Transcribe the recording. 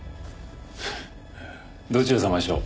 どちら様でしょう？